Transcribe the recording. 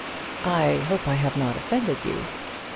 "I hope I have not offended you."